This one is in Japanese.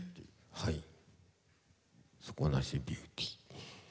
はい「底無しビューティー」。